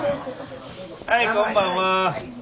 はいこんばんは。